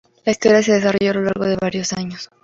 La historia se desarrolla a lo largo de varios años.